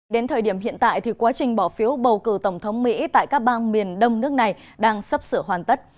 đến thời điểm hiện tại thì quá trình bỏ phiếu bầu cử tổng thống mỹ tại các bang miền đông nước này đang sắp sửa hoàn tất